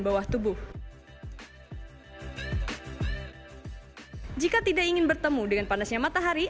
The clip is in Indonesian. jika tidak ingin bertemu dengan panasnya matahari